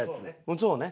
そうね。